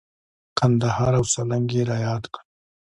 کندهار او سالنګ یې را یاد کړل.